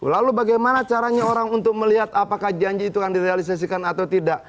lalu bagaimana caranya orang untuk melihat apakah janji itu akan direalisasikan atau tidak